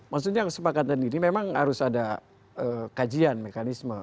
maksudnya yang sempat kata ini memang harus ada kajian mekanisme